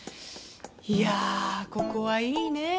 いやここはいいね